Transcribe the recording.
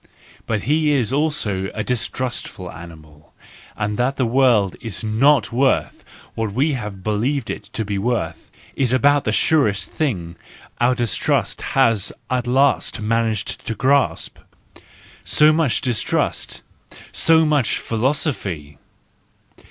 But he is also a distrustful animal: and that the world is not worth what we have believed it to be worth is about the surest thing our dis¬ trust has at last managed to grasp. So much distrust, so much philosophy!